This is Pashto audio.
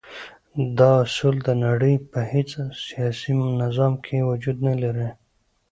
دا اصول د نړی په هیڅ سیاسی نظام کی وجود نلری.